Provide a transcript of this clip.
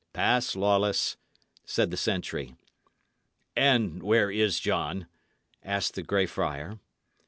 "Pass, Lawless," said the sentry. "And where is John?" asked the Grey Friar.